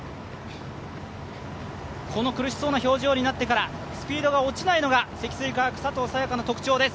この苦しそうな表情になってからもスピードが落ちないのが積水化学、佐藤早也伽の特徴です。